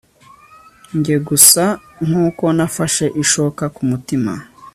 Njye gusa nkuko nafashe ishoka kumutima